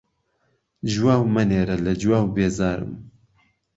جواو مهنێره، له جواو بێزارم